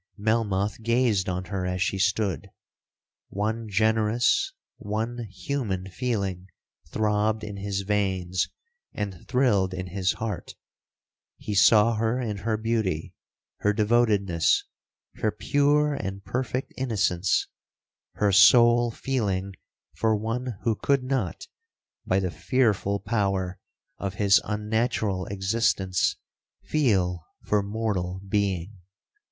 'Melmoth gazed on her as she stood. One generous, one human feeling, throbbed in his veins, and thrilled in his heart. He saw her in her beauty,—her devotedness,—her pure and perfect innocence,—her sole feeling for one who could not, by the fearful power of his unnatural existence, feel for mortal being.